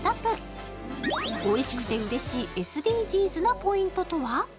おいしくてうれしいＳＤＧｓなポイントとは？